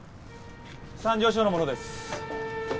三条署の者です。